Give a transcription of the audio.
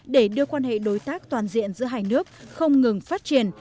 để đưa quan hệ đối tác toàn diện giữa hai nước không ngừng phát triển